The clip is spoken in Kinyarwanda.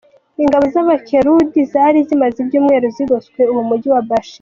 Ingabo z'abakurude zari zimaze ibyumweru zigose uwo mujyi wa Bashiqa.